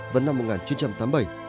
và năm một nghìn chín trăm tám mươi bảy